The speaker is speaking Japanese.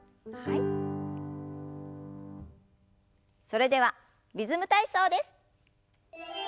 それでは「リズム体操」です。